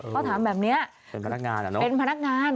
เขาถามแบบนี้เป็นพนักงาน